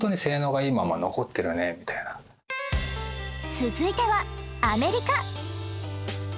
続いてはアメリカ。